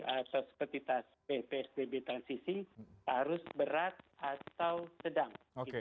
atau seperti psbb transisi harus berat atau sedang